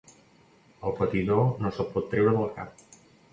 El patidor no se'l pot treure del cap.